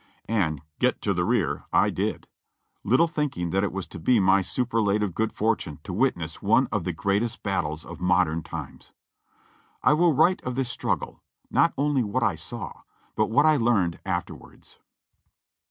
And "get to the rear" I did, little thinking that it was to be my superlative good fortune to witness one of the greatest battles of modern times. I will write of this struggle, not only what I saw, but what I learned afterwards.